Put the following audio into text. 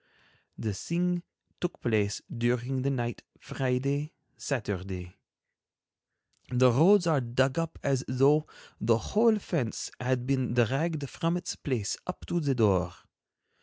The thing took place during the night Friday—Saturday. The roads are dug up as though the whole fence had been dragged from its place up to the door.